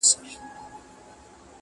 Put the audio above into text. ولاړل د فتح سره برېتونه د شپېلیو!.